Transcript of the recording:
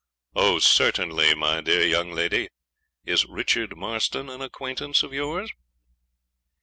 'Oh! certainly, my dear young lady. Is Richard Marston an acquaintance of yours?'